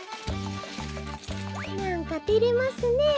なんかてれますねえ。